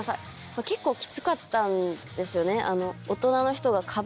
結構キツかったんですよね。